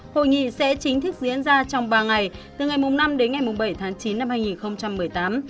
hội nghị sẽ chính thức diễn ra trong ba ngày từ ngày năm đến ngày bảy tháng chín năm hai nghìn một mươi tám